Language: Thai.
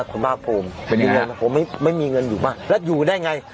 คุณภาคภูมิเป็นยังไงผมไม่มีเงินอยู่บ้างแล้วอยู่ได้ไง